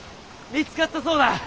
見つかったそうだ。